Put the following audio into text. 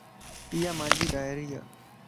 ايا مانجي ڊائري ا